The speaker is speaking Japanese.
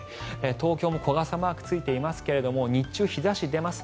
東京も小傘マークついていますが日中、日差し出ます。